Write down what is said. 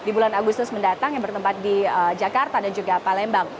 dua ribu delapan belas di bulan agustus mendatang yang bertempat di jakarta dan juga palembang